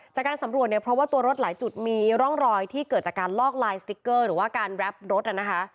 จากการสำรวจเนี่ยเพราะว่าตัวรถหลายจุดมีร่องรอยที่เกิดจากการลอกลายสติ๊กเกอร์หรือว่าการแรปรถนะคะ